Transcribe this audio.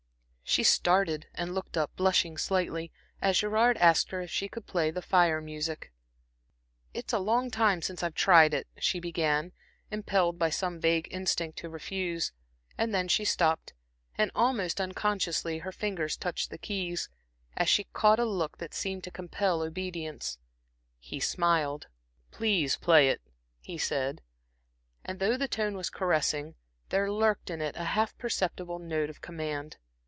She started and looked up, blushing slightly, as Gerard asked her if she could play the Fire music. "I it is a long time since I have tried it," she began, impelled by some vague instinct to refuse, and then she stopped, and almost unconsciously her fingers touched the keys, as she caught a look that seemed to compel obedience. He smiled. "Please play it," he said, and though the tone was caressing, there lurked in it a half perceptible note of command.